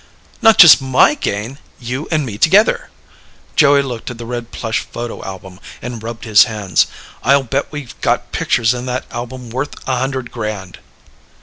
"Not just MY gain. You and me together." Joey looked at the red plush photo album and rubbed his hands. "I'll bet we got pictures in that album worth a hundred grand."